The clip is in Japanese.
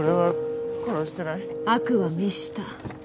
悪は滅した